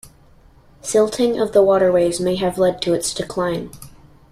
Silting of the waterways may have led to its decline.